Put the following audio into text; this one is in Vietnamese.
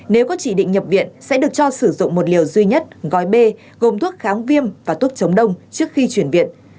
nếu có chỉ định nhập viện sẽ được cho sử dụng một liều duy nhất gói b gồm thuốc kháng viêm và thuốc chống đông trước khi chuyển viện